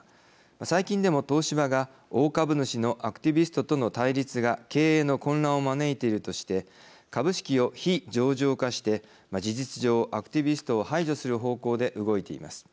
最近でも東芝が大株主のアクティビストとの対立が経営の混乱を招いているとして株式を非上場化して事実上アクティビストを排除する方向で動いています。